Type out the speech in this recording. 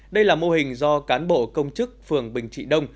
đây là mô hình do cán bộ công chức phường bình trị đông